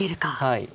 はい。